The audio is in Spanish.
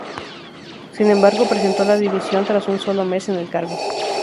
Sin embargo, presentó la dimisión tras un solo mes en el cargo.